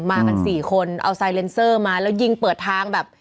มากันสี่คนเอาไซเลนเซอร์มาแล้วยิงเปิดทางแบบ